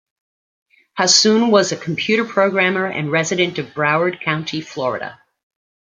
Hassoun was a computer programmer and resident of Broward County, Florida.